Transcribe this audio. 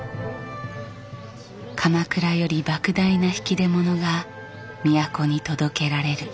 鎌倉より莫大な引き出物が都に届けられる。